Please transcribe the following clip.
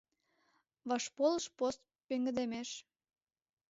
ВАШПОЛЫШ ПОСТ ПЕҤГЫДЕМЕШ